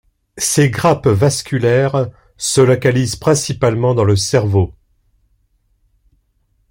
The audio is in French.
Ces grappes vasculaires se localisent principalement dans le cerveau.